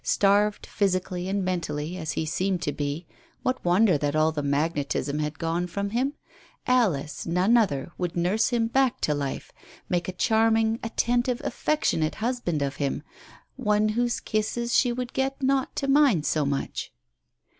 Starved physically and mentally, as he seemed to be, what wonder that all the magnetism had gone from him ? Alice, none other, would nurse him back to life, make a charming, attentive, affectionate husband of him, one whose kisses she would get not to mind so much.